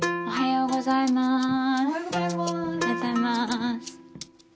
おはようございます。